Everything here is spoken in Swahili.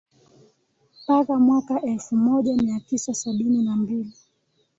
mpaka mwaka elfu moja mia tisa sabini na mbili